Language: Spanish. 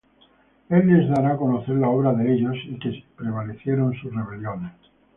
El les dará á conocer la obra de ellos, Y que prevalecieron sus rebeliones.